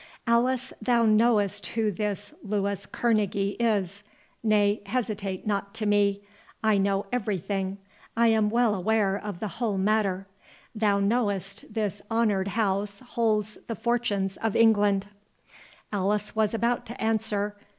Alice, thou knowest who this Louis Kerneguy is—nay, hesitate not to me—I know every thing—I am well aware of the whole matter. Thou knowest this honoured house holds the Fortunes of England." Alice was about to answer.